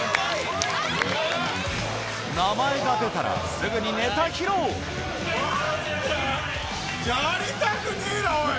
名前が出たらすぐにネタ披露おい。